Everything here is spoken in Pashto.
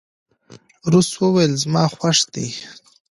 درس ویل زما خوښ دي.